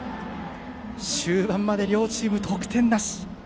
終盤まで両チーム得点なし。